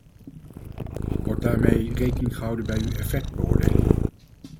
Wordt daarmee rekening gehouden bij uw effectbeoordelingen?